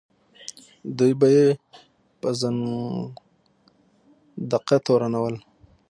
دوی به یې په زندقه تورنول.